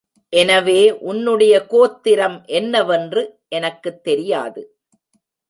எனவே உன்னுடைய கோத்திரம் என்னவென்று எனக்குத் தெரியாது.